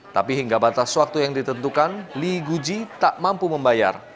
tapi hingga batas waktu yang ditentukan lee guji tak mampu membayar